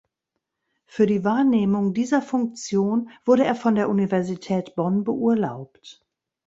Für die Wahrnehmung dieser Funktion wurde er von der Universität Bonn beurlaubt.